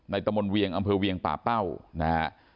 ในตมนเวียงอำเภอเวียงป่าเป้า